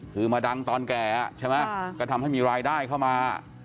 คือมาดังตอนแก่ใช่ไหมก็ทำให้มีรายได้เข้ามา